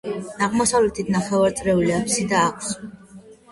აღმოსავლეთით ნახევარწრიული აფსიდა აქვს.